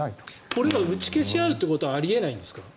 これが打ち消し合うことはあり得ないんですか？